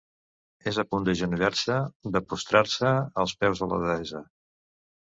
És a punt d'agenollar-se, de prostrar-se als peus de la deessa.